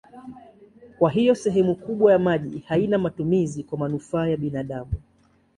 Kwa hiyo sehemu kubwa ya maji haina matumizi kwa manufaa ya binadamu.